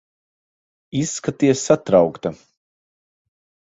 Izskaties satraukta.